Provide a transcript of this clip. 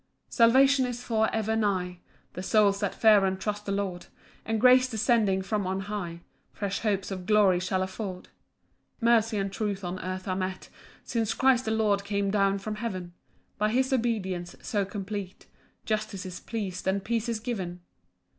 1 Salvation is for ever nigh The souls that fear and trust the Lord; And grace descending from on high, Fresh hopes of glory shall afford. 2 Mercy and truth on earth are met, Since Christ the Lord came down from heaven; By his obedience, so complete, Justice is pleas'd, and peace is given.